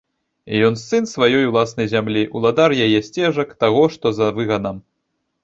Ён сын сваёй уласнай зямлі, уладар яе сцежак, таго, што за выганам.